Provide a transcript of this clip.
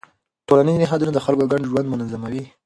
ټولنیز نهادونه د خلکو ګډ ژوند منظموي.